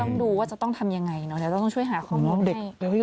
ต้องดูว่าจะต้องทำอย่างไรต้องช่วยหาข้อมูลให้